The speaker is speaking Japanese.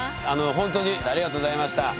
ほんとにありがとうございました。